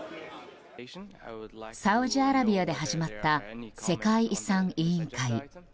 サウジアラビアで始まった世界遺産委員会。